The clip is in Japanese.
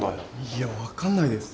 いや分かんないです。